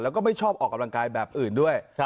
แล้วก็ไม่ชอบออกกำลังกายแบบอื่นด้วย